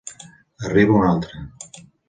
Arriba una altra.